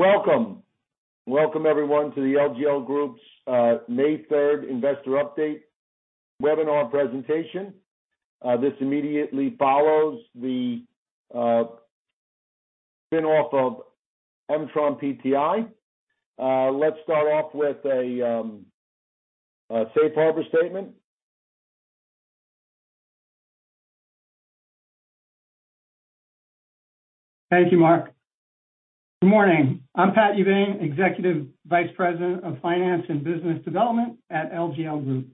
Welcome. Welcome everyone to the LGL Group's, May third investor update webinar presentation. This immediately follows the spin-off of MtronPTI. Let's start off with a safe harbor statement. Thank you, Marc. Good morning. I'm Patrick Huvane, Executive Vice President of Finance and Business Development at LGL Group.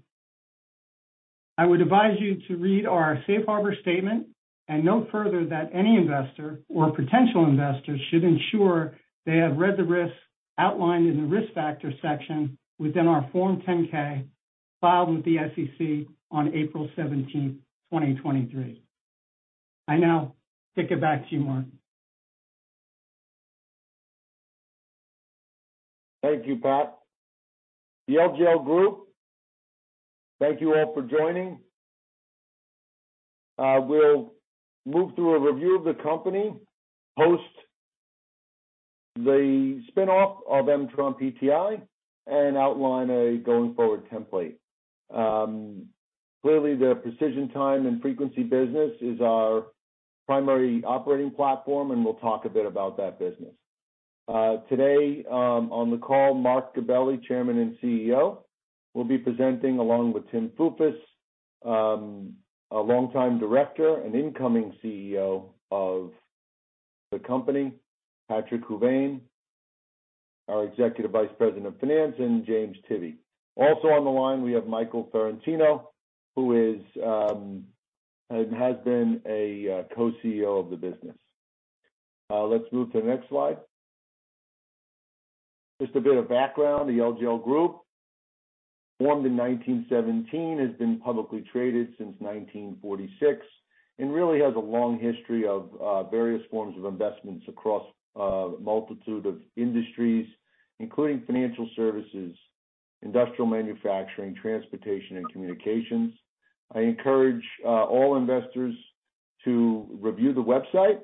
I would advise you to read our safe harbor statement and note further that any investor or potential investors should ensure they have read the risks outlined in the Risk Factors section within our Form 10-K filed with the SEC on April 17th, 2023. I now take it back to you, Marc. Thank you, Pat. The LGL Group, thank you all for joining. We'll move through a review of the company, post the spin-off of MtronPTI and outline a going-forward template. Clearly the precision time and frequency business is our primary operating platform, and we'll talk a bit about that business. Today, on the call, Marc Gabelli, Chairman and CEO, will be presenting along with Tim Foufas, a longtime director and incoming CEO of the company. Patrick Huvane, our Executive Vice President of Finance, and James Tivy. Also on the line, we have Michael Ferrantino, who is and has been a Co-CEO of the business. Let's move to the next slide. Just a bit of background. The LGL Group, formed in 1917, has been publicly traded since 1946 and really has a long history of various forms of investments across a multitude of industries, including financial services, industrial manufacturing, transportation, and communications. I encourage all investors to review the website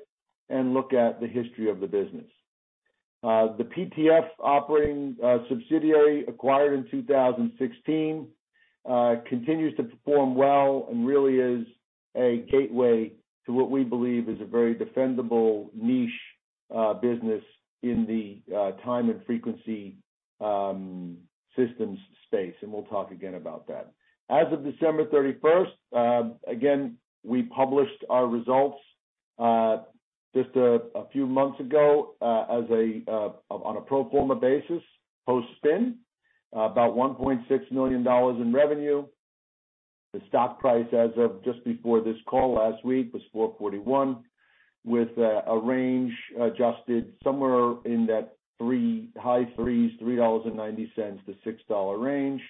and look at the history of the business. The PTF operating subsidiary, acquired in 2016, continues to perform well and really is a gateway to what we believe is a very defendable niche business in the time and frequency systems space, and we'll talk again about that. As of December 31st, again, we published our results just a few months ago, on a pro forma basis, post-spin, about $1.6 million in revenue. The stock price as of just before this call last week was $4.1, with a range adjusted somewhere in that high threes, $3.90 to $6 range.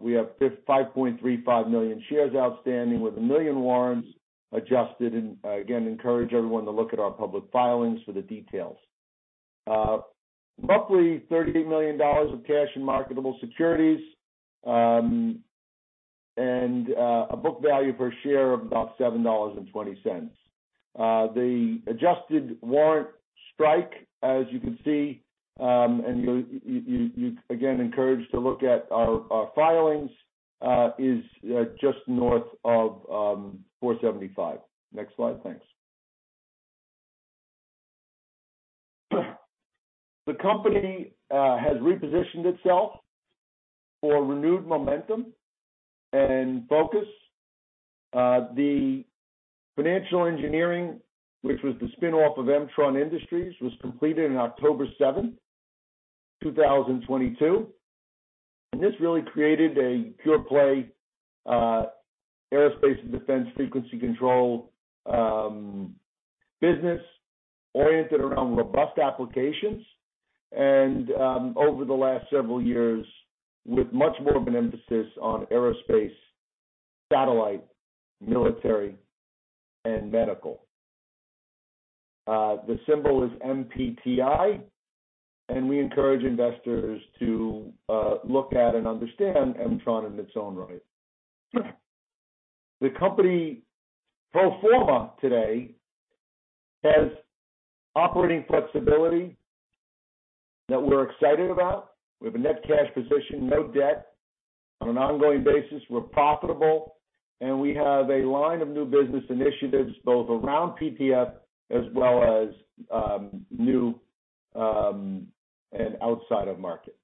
We have 5.35 million shares outstanding with 1 million warrants adjusted. Again, encourage everyone to look at our public filings for the details. Roughly $38 million of cash and marketable securities, and a book value per share of about $7.20. The adjusted warrant strike, as you can see, and you again, encouraged to look at our filings, is just north of $4.75. Next slide. Thanks. The company has repositioned itself for renewed momentum and focus. The financial engineering, which was the spin-off of Mtron Industries, was completed in October 7, 2022. This really created a pure play aerospace and defense frequency control business oriented around robust applications and over the last several years with much more of an emphasis on aerospace, satellite, military, and medical. The symbol is MPTI, and we encourage investors to look at and understand Mtron in its own right. The company pro forma today has operating flexibility that we're excited about. We have a net cash position, no debt on an ongoing basis. We're profitable, and we have a line of new business initiatives both around PTF as well as new and outside of market.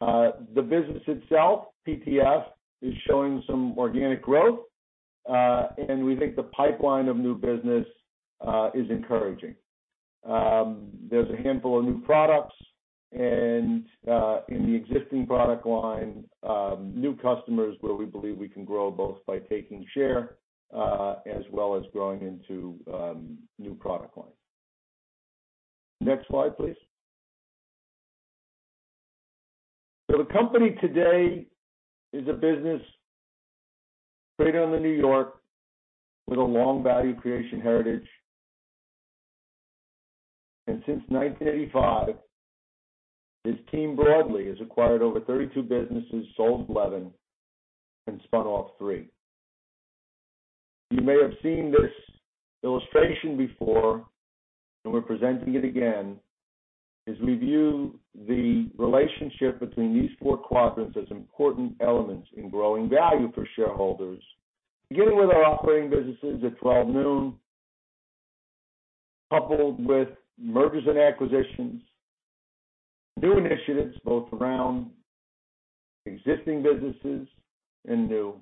The business itself, PTF, is showing some organic growth, and we think the pipeline of new business is encouraging. There's a handful of new products and in the existing product line, new customers where we believe we can grow both by taking share, as well as growing into new product lines. Next slide, please. The company today is a business traded on the NYSE American with a long value creation heritage. Since 1985, this team broadly has acquired over 32 businesses, sold 11 and spun off three. You may have seen this illustration before, and we're presenting it again as we view the relationship between these four quadrants as important elements in growing value for shareholders. Beginning with our operating businesses at 12 noon, coupled with mergers and acquisitions, new initiatives both around existing businesses and new,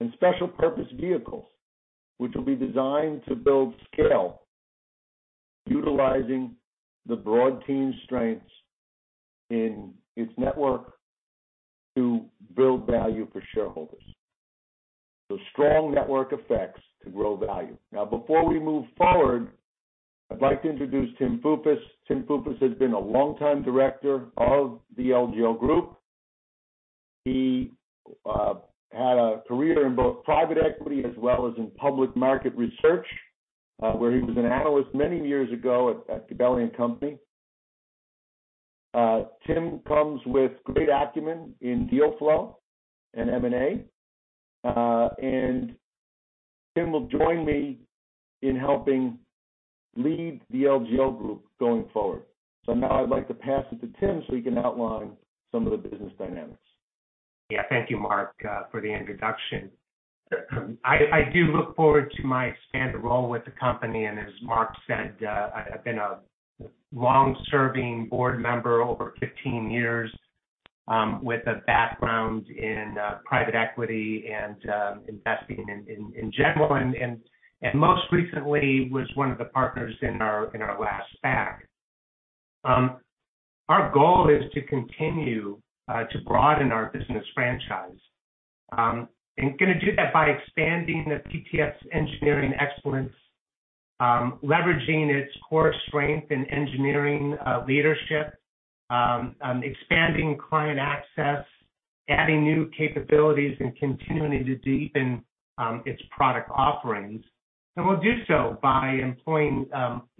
and special purpose vehicles, which will be designed to build scale, utilizing the broad team strengths in its network to build value for shareholders. Strong network effects to grow value. Now, before we move forward, I'd like to introduce Timothy Foufas. Timothy Foufas has been a longtime director of The LGL Group. He had a career in both private equity as well as in public market research, where he was an analyst many years ago at Gabelli & Company. Tim comes with great acumen in deal flow and M&A. Tim will join me in helping lead The LGL Group going forward. Now I'd like to pass it to Tim so he can outline some of the business dynamics. Yeah. Thank you, Marc, for the introduction. I do look forward to my expanded role with the company. As Marc said, I've been a long-serving board member, over 15 years, with a background in private equity and investing in general. Most recently was one of the partners in our last SPAC. Our goal is to continue to broaden our business franchise. Gonna do that by expanding the PTF's engineering excellence, leveraging its core strength in engineering leadership, expanding client access, adding new capabilities, and continuing to deepen its product offerings. We'll do so by employing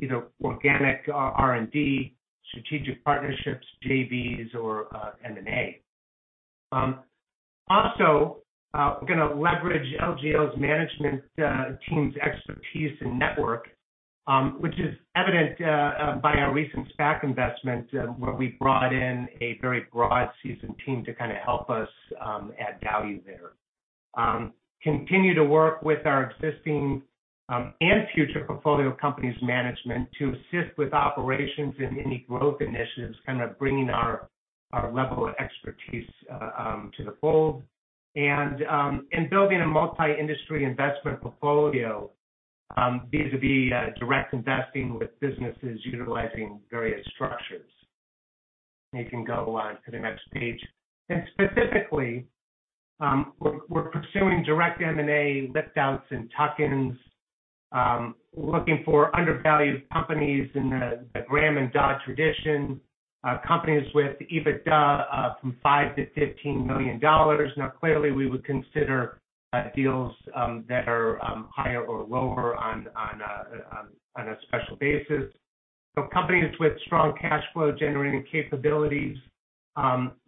either organic R&D, strategic partnerships, JVs, or M&A. Also, we're gonna leverage LGL's management team's expertise and network, which is evident by our recent SPAC investment, where we brought in a very broad seasoned team to kinda help us add value there. Continue to work with our existing and future portfolio companies management to assist with operations and any growth initiatives, kind of bringing our level of expertise to the fold. In building a multi-industry investment portfolio vis-à-vis direct investing with businesses utilizing various structures. You can go to the next page. Specifically, we're pursuing direct M&A, lift-outs and tuck-ins. Looking for undervalued companies in the Graham and Dodd tradition. Companies with EBITDA from $5 million-$15 million. Clearly, we would consider deals that are higher or lower on a special basis. Companies with strong cash flow generating capabilities,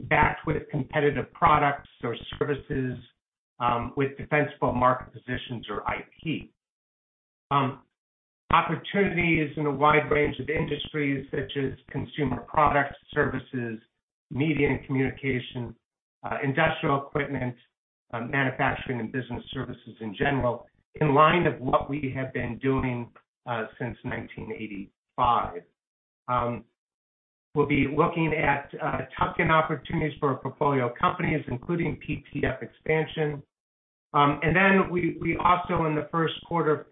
backed with competitive products or services, with defensible market positions or IP. Opportunities in a wide range of industries such as consumer products, services, media and communication, industrial equipment, manufacturing and business services in general, in line of what we have been doing since 1985. We'll be looking at tuck-in opportunities for our portfolio companies, including PTF expansion. We also in the first quarter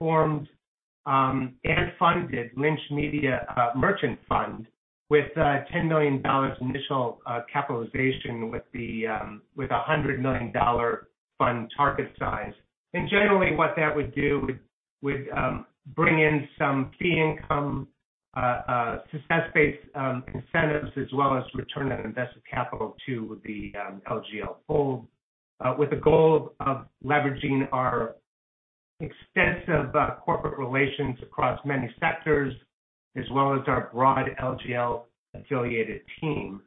formed and funded Lynch Media Merchant Fund with $10 million initial capitalization with a $100 million fund target size. Generally, what that would do would bring in some fee income, success-based incentives, as well as return on invested capital to the LGL fold. With the goal of leveraging our extensive corporate relations across many sectors, as well as our broad LGL-affiliated team.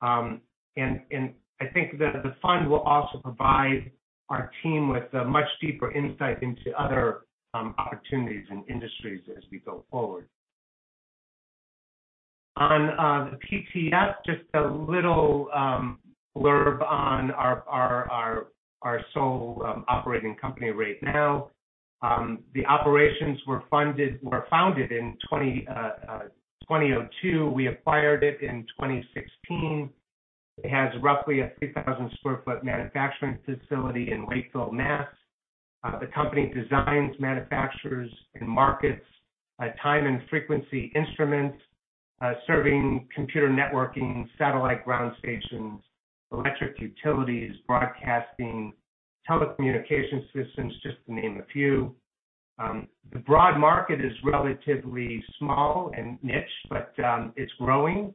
I think that the fund will also provide our team with a much deeper insight into other opportunities and industries as we go forward. On the PTF, just a little blurb on our sole operating company right now. The operations were founded in 2002. We acquired it in 2016. It has roughly a 3,000 sq ft manufacturing facility in Wakefield, Mass. The company designs, manufactures, and markets time and frequency instruments, serving computer networking, satellite ground stations, electric utilities, broadcasting, telecommunication systems, just to name a few. The broad market is relatively small and niche, but it's growing.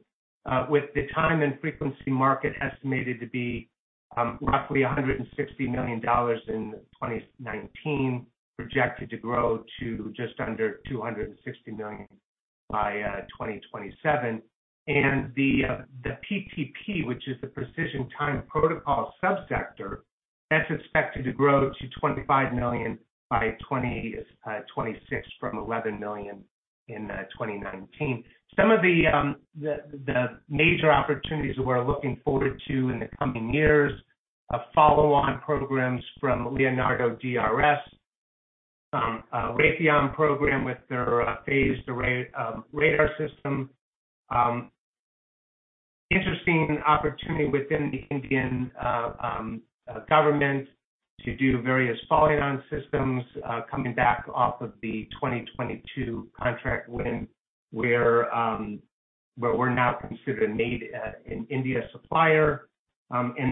With the time and frequency market estimated to be roughly $160 million in 2019, projected to grow to just under $260 million. By 2027. The PTP, which is the Precision Time Protocol subsector, that's expected to grow to $25 million by 2026 from $11 million in 2019. Some of the major opportunities we're looking forward to in the coming years, follow-on programs from Leonardo DRS, a Raytheon program with their phased array radar system. Interesting opportunity within the Indian government to do various follow-on systems, coming back off of the 2022 contract win where we're now considered a made in India supplier. Any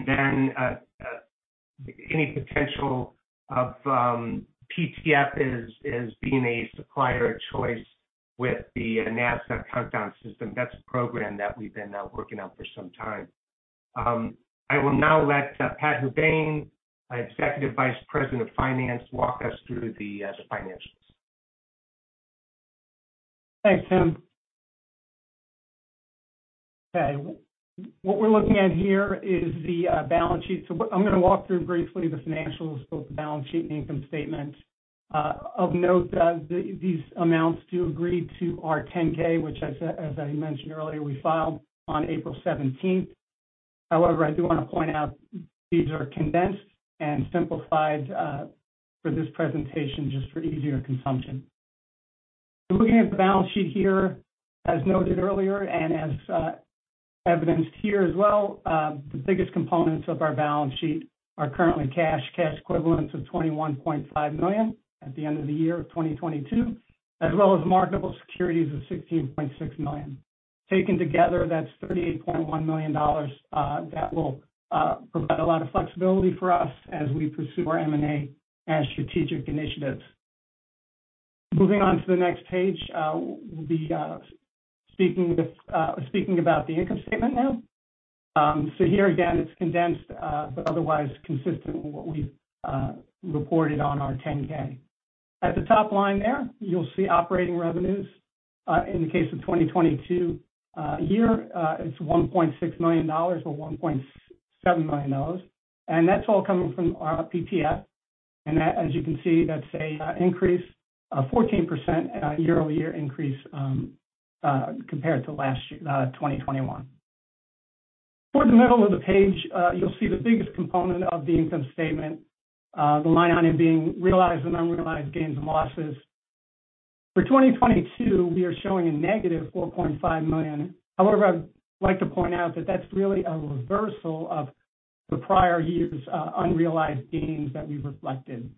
potential of PTF as being a supplier of choice with the NASA countdown system. That's a program that we've been working on for some time. I will now let Pat Huvane, our Executive Vice President of Finance, walk us through the financials. Thanks, Tim. Okay. What we're looking at here is the balance sheet. I'm gonna walk through briefly the financials, both the balance sheet and the income statement. Of note, these amounts do agree to our 10-K, which as I mentioned earlier, we filed on April 17th. However, I do wanna point out these are condensed and simplified for this presentation just for easier consumption. Looking at the balance sheet here, as noted earlier and as evidenced here as well, the biggest components of our balance sheet are currently cash equivalents of $21.5 million at the end of the year 2022, as well as marketable securities of $16.6 million. Taken together, that's $38.1 million that will provide a lot of flexibility for us as we pursue our M&A and strategic initiatives. Moving on to the next page, we'll be speaking about the income statement now. Here again, it's condensed, but otherwise consistent with what we've reported on our 10-K. At the top line there, you'll see operating revenues. In the case of 2022, here, it's $1.6 million or $1.7 million, and that's all coming from our PTF. That, as you can see, that's a increase, 14% year-over-year increase, compared to last year, 2021. Toward the middle of the page, you'll see the biggest component of the income statement, the line on it being realized and unrealized gains and losses. For 2022, we are showing -$4.5 million. However, I'd like to point out that that's really a reversal of the prior year's unrealized gains that we reflected.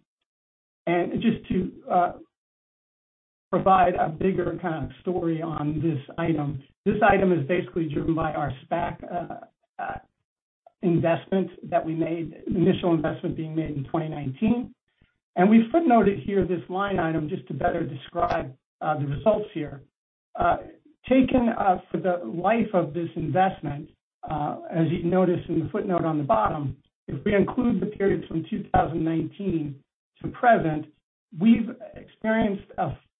Just to provide a bigger kind of story on this item, this item is basically driven by our SPAC investment that we made, initial investment being made in 2019. We footnoted here this line item just to better describe the results here. taken for the life of this investment, as you can notice in the footnote on the bottom, if we include the period from 2019 to present, we've experienced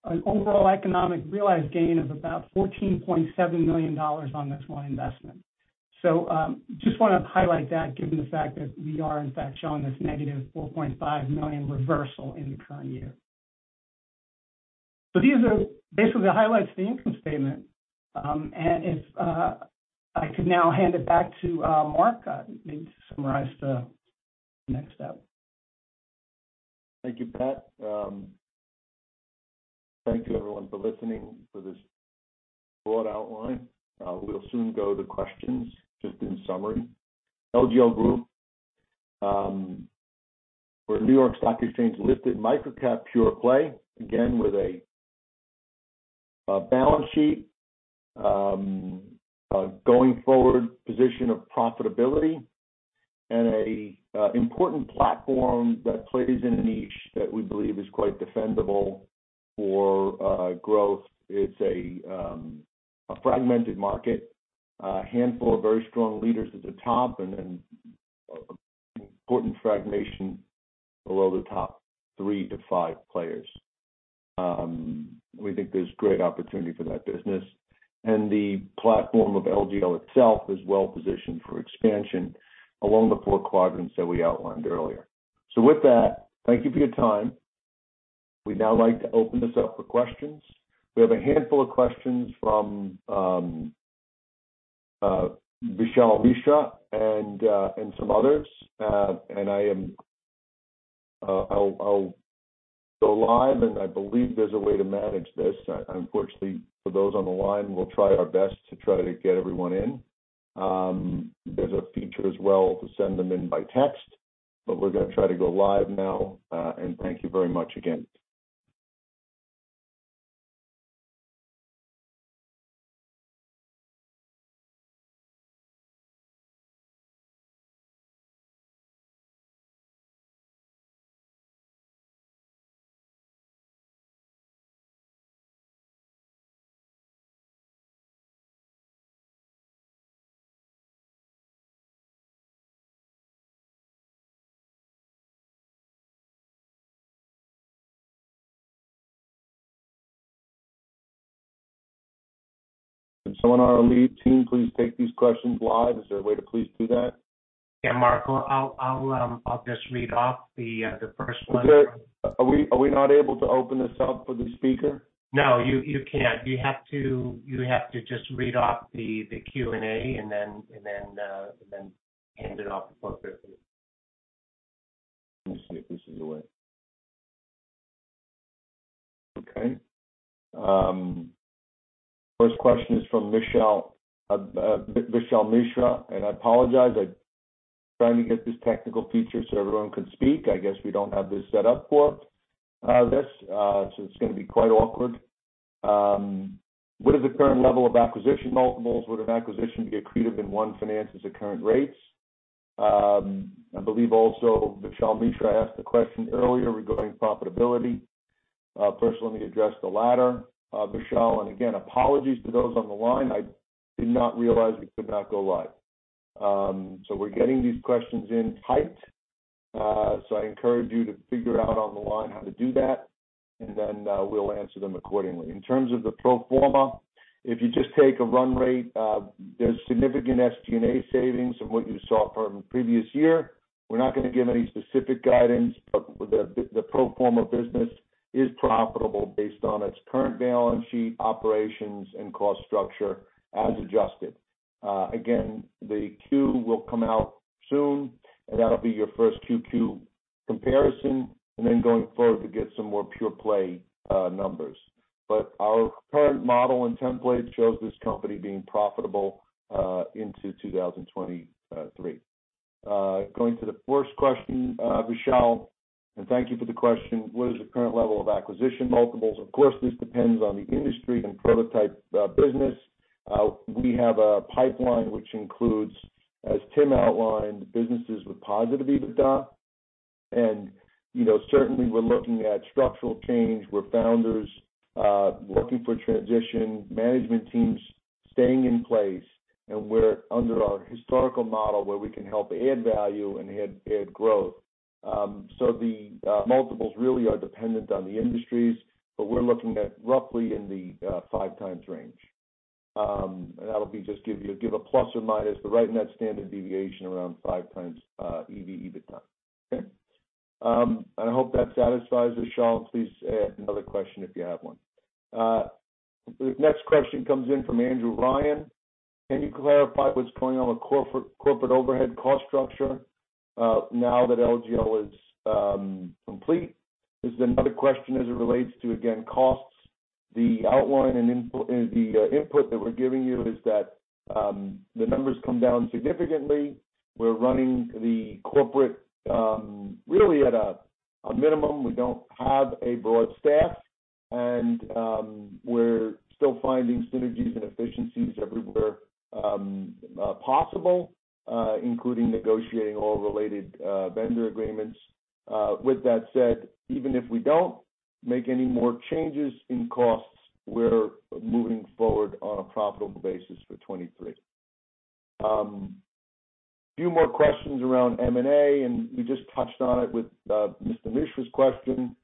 an overall economic realized gain of about $14.7 million on this one investment. just wanna highlight that given the fact that we are in fact showing this negative $4.5 million reversal in the current year. These are basically the highlights of the income statement. if I could now hand it back to Marc, maybe to summarize the next step. Thank you, Pat. Thank you everyone for listening for this broad outline. We'll soon go to questions. Just in summary, LGL Group, we're a New York Stock Exchange-listed microcap pure play, again, with a balance sheet, a going-forward position of profitability and a important platform that plays in a niche that we believe is quite defendable for growth. It's a fragmented market, a handful of very strong leaders at the top and an important fragmentation below the top 3-5 players. We think there's great opportunity for that business. The platform of LGL itself is well positioned for expansion along the 4 quadrants that we outlined earlier. With that, thank you for your time. We'd now like to open this up for questions. We have a handful of questions from, Vishal Alisha and some others. I'll go live, and I believe there's a way to manage this. Unfortunately for those on the line, we'll try our best to try to get everyone in. There's a feature as well to send them in by text, but we're gonna try to go live now. Thank you very much again. Can someone on our lead team please take these questions live? Is there a way to please do that? Marc, I'll just read off the first one. Are we not able to open this up for the speaker? No, you can't. You have to just read off the Q&A, and then hand it off appropriately. Let me see if this is the way. Okay. First question is from Michelle Mishra. I apologize, I'm trying to get this technical feature so everyone can speak. I guess we don't have this set up for this, so it's gonna be quite awkward. What is the current level of acquisition multiples? Would an acquisition be accretive in one finances at current rates? I believe also Michelle Mishra asked the question earlier regarding profitability. First, let me address the latter, Michelle, and again, apologies to those on the line. I did not realize we could not go live. So we're getting these questions in typed, so I encourage you to figure out on the line how to do that, and then we'll answer them accordingly. In terms of the pro forma, if you just take a run rate, there's significant SG&A savings from what you saw from previous year. We're not gonna give any specific guidance, the pro forma business is profitable based on its current balance sheet operations and cost structure as adjusted. Again, the Q will come out soon, that'll be your first Q2 comparison, going forward, you'll get some more pure play numbers. Our current model and template shows this company being profitable into 2023. Going to the first question, Michelle, thank you for the question. What is the current level of acquisition multiples? Of course, this depends on the industry and prototype business. We have a pipeline which includes, as Tim outlined, businesses with positive EBITDA. You know, certainly we're looking at structural change, where founders, working for transition, management teams staying in place, and we're under our historical model where we can help add value and add growth. The multiples really are dependent on the industries, but we're looking at roughly in the 5 times range. That'll be just give a plus or minus, but right in that standard deviation around 5 times EV-EBITDA. Okay? I hope that satisfies, Michelle. Please ask another question if you have one. The next question comes in from Andrew Ryan. Can you clarify what's going on with corporate overhead cost structure, now that LGL is complete? There's another question as it relates to, again, costs. The outline and input that we're giving you is that the numbers come down significantly. We're running the corporate really at a minimum. We don't have a broad staff. We're still finding synergies and efficiencies everywhere possible, including negotiating all related vendor agreements. With that said, even if we don't make any more changes in costs, we're moving forward on a profitable basis for 23. Few more questions around M&A. We just touched on it with Mr. Mishra's question,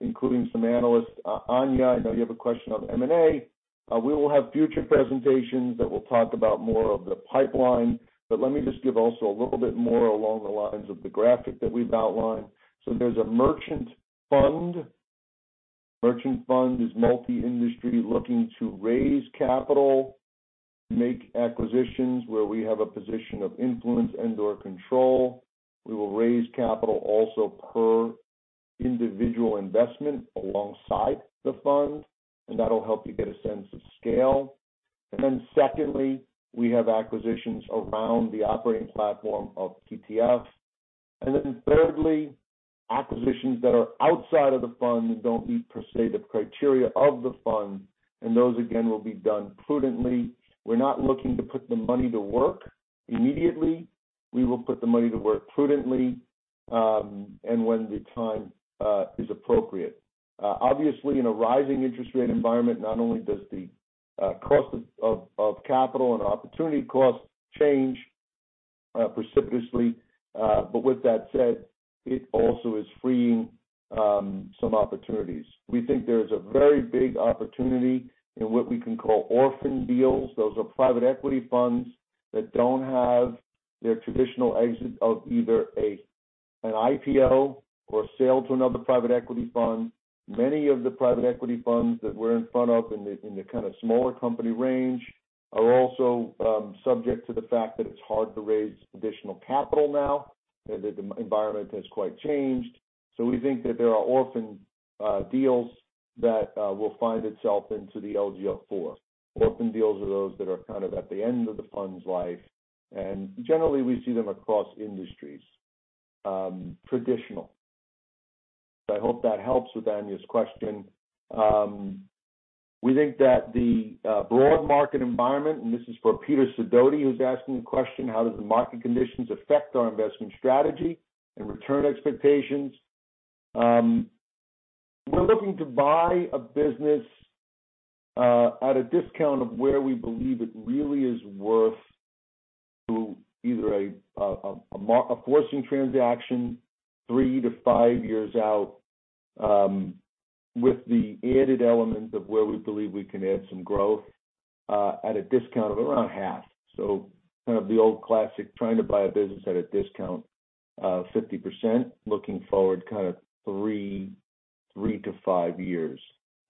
including some analysts. Anya, I know you have a question on M&A. We will have future presentations that will talk about more of the pipeline. Let me just give also a little bit more along the lines of the graphic that we've outlined. There's a merchant fund. Merchant fund is multi-industry, looking to raise capital, make acquisitions where we have a position of influence and/or control. We will raise capital also per individual investment alongside the fund, and that'll help you get a sense of scale. Secondly, we have acquisitions around the operating platform of PTF. Thirdly, acquisitions that are outside of the fund and don't meet per se the criteria of the fund, and those again will be done prudently. We're not looking to put the money to work immediately. We will put the money to work prudently, and when the time is appropriate. Obviously in a rising interest rate environment, not only does the cost of capital and opportunity costs change precipitously, but with that said, it also is freeing some opportunities. We think there's a very big opportunity in what we can call orphan deals. Those are private equity funds that don't have their traditional exit of either an IPO or a sale to another private equity fund. Many of the private equity funds that we're in front of in the kinda smaller company range are also subject to the fact that it's hard to raise additional capital now, that the environment has quite changed. We think that there are orphan deals that will find itself into the LCI IV. Orphan deals are those that are kind of at the end of the fund's life, and generally, we see them across industries, traditional. I hope that helps with Anya's question. We think that the broad market environment, and this is for Peter Sidoti, who's asking the question, how does the market conditions affect our investment strategy and return expectations? We're looking to buy a business at a discount of where we believe it really is worth to either a forcing transaction 3 to 5 years out, with the added element of where we believe we can add some growth, at a discount of around half. Kind of the old classic, trying to buy a business at a discount of 50%, looking forward kind of 3 to 5 years.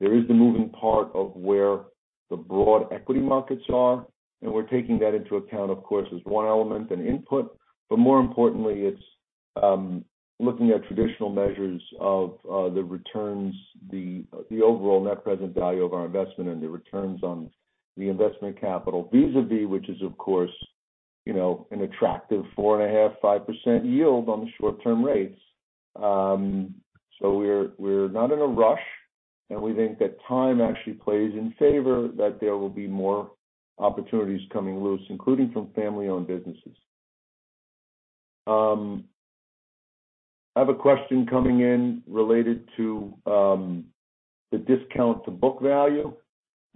There is the moving part of where the broad equity markets are, and we're taking that into account, of course, as one element and input. More importantly, it's looking at traditional measures of the returns, the overall net present value of our investment and the returns on the investment capital vis-a-vis, which is of course, you know, an attractive 4.5%-5% yield on the short-term rates. We're not in a rush, and we think that time actually plays in favor, that there will be more opportunities coming loose, including from family-owned businesses. I have a question coming in related to the discount to book value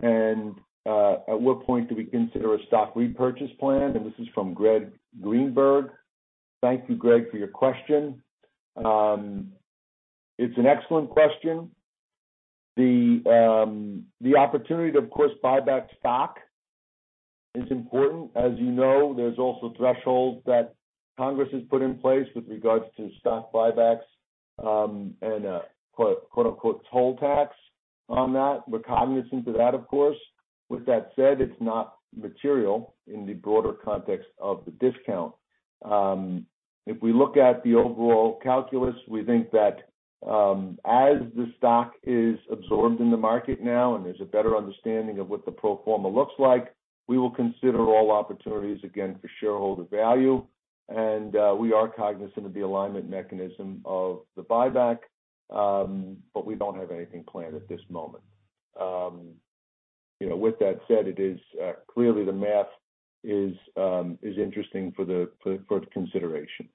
and at what point do we consider a stock repurchase plan. This is from Greg Greenberg. Thank you, Greg, for your question. It's an excellent question. The opportunity to, of course, buy back stock is important. As you know, there's also thresholds that Congress has put in place with regards to stock buybacks, and a quote, unquote, toll tax on that. We're cognizant of that, of course. With that said, it's not material in the broader context of the discount. If we look at the overall calculus, we think that, as the stock is absorbed in the market now and there's a better understanding of what the pro forma looks like, we will consider all opportunities again for shareholder value. We are cognizant of the alignment mechanism of the buyback, but we don't have anything planned at this moment. You know, with that said, it is clearly the math is interesting for the for consideration.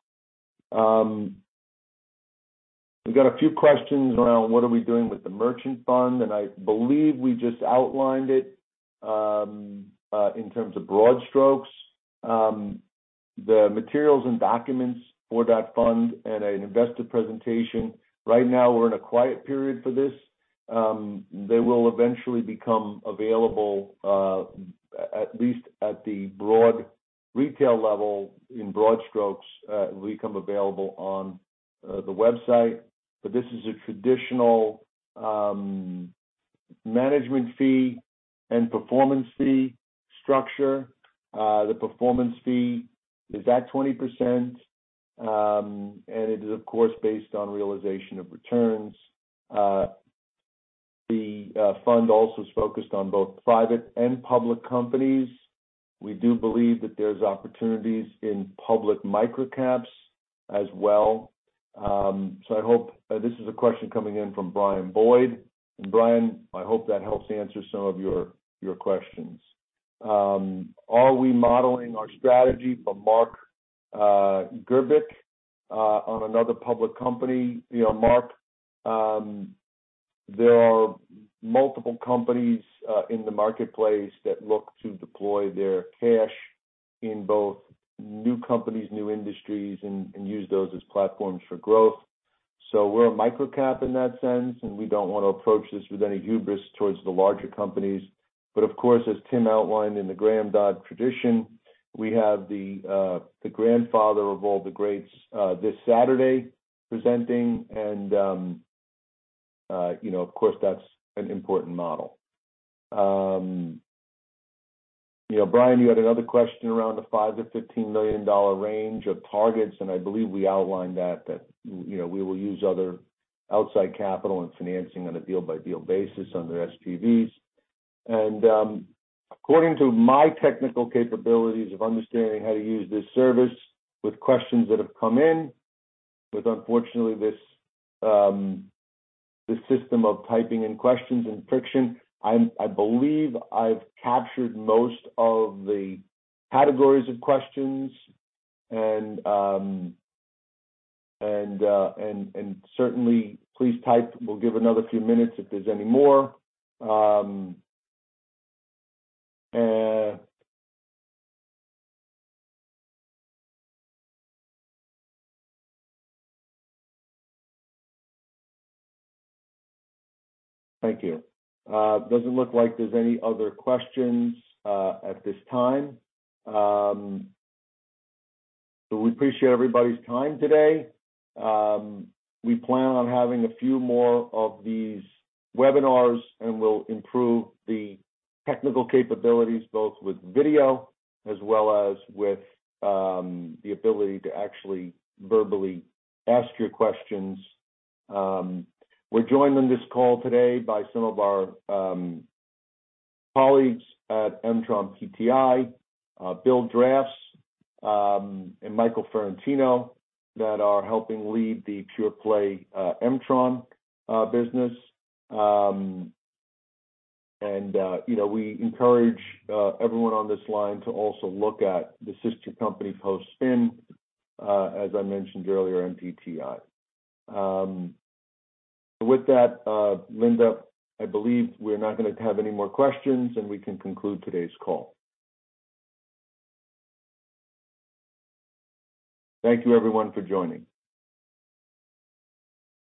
We've got a few questions around what are we doing with the merchant fund, and I believe we just outlined it in terms of broad strokes. The materials and documents for that fund and an investor presentation. Right now, we're in a quiet period for this. They will eventually become available, at least at the broad retail level, in broad strokes, will become available on the website. This is a traditional management fee and performance fee structure. The performance fee is at 20%, and it is of course, based on realization of returns. The fund also is focused on both private and public companies. We do believe that there's opportunities in public microcaps as well. This is a question coming in from Brian Boyd. Brian, I hope that helps answer some of your questions. Are we modeling our strategy from Marc Gabelli on another public company? You know, Marc, there are multiple companies in the marketplace that look to deploy their cash in both new companies, new industries, and use those as platforms for growth. We're a microcap in that sense, and we don't want to approach this with any hubris towards the larger companies. Of course, as Tim outlined in the Graham and Dodd tradition, we have the grandfather of all the greats this Saturday presenting. You know, of course, that's an important model. You know, Brian, you had another question around the $5 million-$15 million range of targets. I believe we outlined that, you know, we will use other outside capital and financing on a deal-by-deal basis under SPVs. According to my technical capabilities of understanding how to use this service with questions that have come in, with unfortunately this system of typing in questions and friction, I believe I've captured most of the categories of questions and certainly please type. We'll give another few minutes if there's any more. Thank you. Doesn't look like there's any other questions at this time. We appreciate everybody's time today. We plan on having a few more of these webinars. We'll improve the technical capabilities both with video as well as with the ability to actually verbally ask your questions. We're joined on this call today by some of our colleagues at MtronPTI, Bill Drafts, and Michael Ferrantino that are helping lead the PurePlay Mtron business. You know, we encourage everyone on this line to also look at the sister company post-spin as I mentioned earlier on PTI. With that, Linda, I believe we're not gonna have any more questions. We can conclude today's call. Thank you everyone for joining.